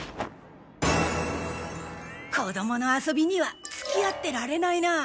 子どもの遊びには付き合ってられないなあ。